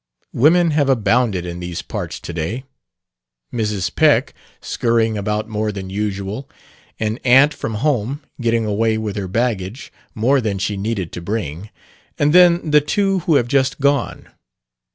Women have abounded in these parts to day: Mrs. Peck, scurrying about more than usual; an aunt from home, getting away with her baggage more than she needed to bring; and then the two who have just gone.